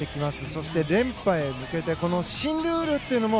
そして、連覇へ向けてこの新ルールというのも